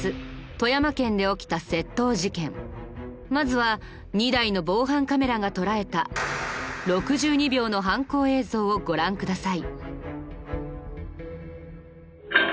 まずは２台の防犯カメラが捉えた６２秒の犯行映像をご覧ください。